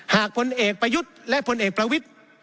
หากพลเอกประยุทธ์และพลเอกปรวิต